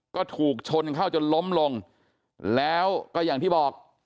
ก็ถูกชนเข้าจนล้มลงแล้วก็อย่างที่บอก